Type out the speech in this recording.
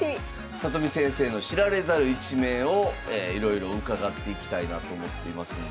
里見先生の知られざる一面をいろいろ伺っていきたいなと思っていますんで。